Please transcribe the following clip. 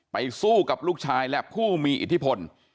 สู้กับลูกชายและผู้มีอิทธิพล